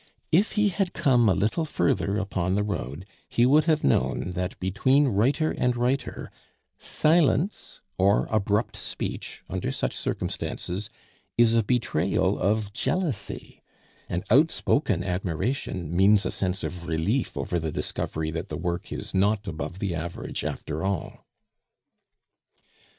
If he had come a little further upon the road, he would have known that between writer and writer silence or abrupt speech, under such circumstances, is a betrayal of jealousy, and outspoken admiration means a sense of relief over the discovery that the work is not above the average after all.